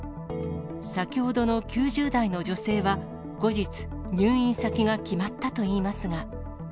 先ほどの９０代の女性は、後日、入院先が決まったといいますが。